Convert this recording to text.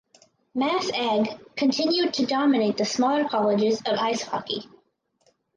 Mass Ag continued to dominate the smaller colleges of ice hockey.